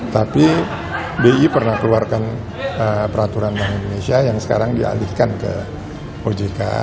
tapi bi pernah keluarkan peraturan bank indonesia yang sekarang dialihkan ke ojk